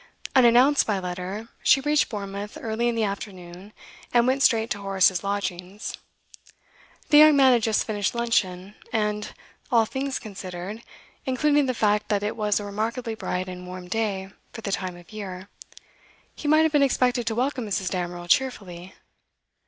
Unannounced by letter, she reached Bournemouth early in the afternoon, and went straight to Horace's lodgings. The young man had just finished luncheon, and, all things considered, including the fact that it was a remarkably bright and warm day for the time of year, he might have been expected to welcome Mrs. Damerel cheerfully.